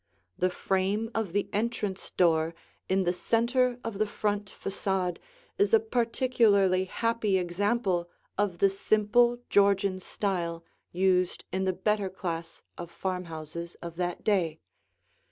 The frame of the entrance door in the center of the front façade is a particularly happy example of the simple Georgian style used in the better class of farmhouses of that day.